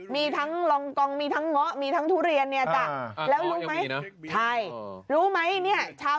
มีทั้งลองกองมีทั้งเงาะมีทั้งทุเรียนเนี่ยจ๊ะ